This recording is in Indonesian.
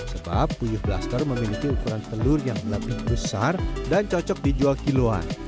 sebab puyuh blaster memiliki ukuran telur yang lebih besar dan cocok dijual kiloan